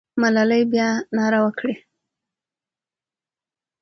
ملالۍ به بیا ناره وکړي.